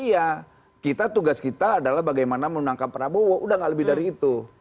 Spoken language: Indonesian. iya kita tugas kita adalah bagaimana menangkan prabowo udah gak lebih dari itu